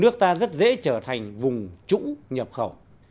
nước ta rất dễ trở thành vùng trũng nhập khẩu